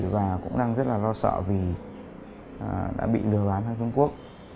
và cũng đang rất là lo sợ vì đã bị lừa bán sang trung quốc